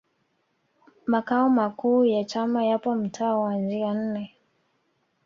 makao makuu ya chama yapo mtaa wa njia nne